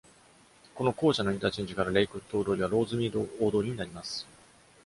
この後者のインターチェンジから、レイクウッド大通りはローズミード大通りになります。